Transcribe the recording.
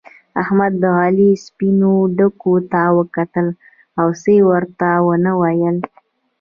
احمد د علي سپينو ډکو ته وکتل او څه يې ورته و نه ويل.